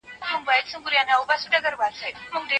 په ژوند کې د گناه مخنيوی د استقامت یوه برخه ده.